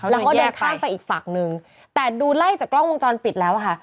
แล้วก็เดินข้ามไปอีกฝั่งนึงแต่ดูไล่จากกล้องวงจรปิดแล้วค่ะ